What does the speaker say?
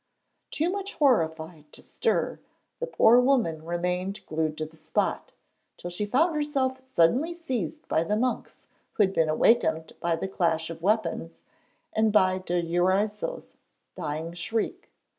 Too much horrified to stir, the poor woman remained glued to the spot, till she found herself suddenly seized by the monks who had been awakened by the clash of weapons and by de Erauso's dying shriek.